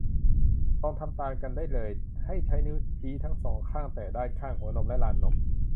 ลองทำตามกันได้เลย ให้ใช้นิ้วชี้ทั้ง สอง ข้างแตะด้านข้างหัวนมและลานนม